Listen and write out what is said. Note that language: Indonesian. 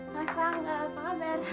mas serangga apa kabar